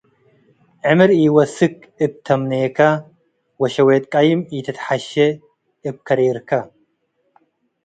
ዕምር ኢወስክ እብ ተምኔከ ወሸዌት ቀይም ኢትትሐሼ እብ ከሬርከ።